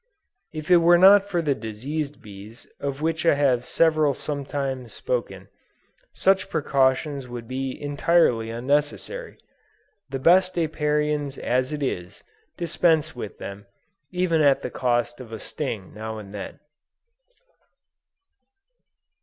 If it were not for the diseased bees of which I have several times spoken, such precautions would be entirely unnecessary. The best Apiarians as it is, dispense with them, even at the cost of a sting now and then.